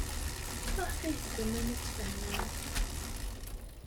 Maɣef ay teggumam ad tfehmem?